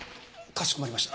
かしこまりました。